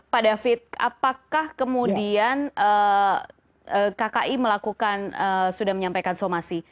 pak david apakah kemudian kki melakukan sudah menyampaikan somasi